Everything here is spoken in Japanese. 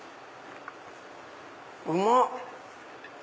うまっ。